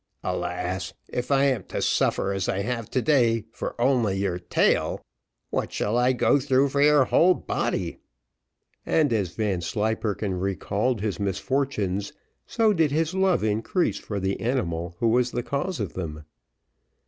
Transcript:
Alas! if I am to suffer as I have to day for only your tail, what shall I go through for your whole body?" And, as Vanslyperken recalled his misfortunes, so did his love increase for the animal who was the cause of them.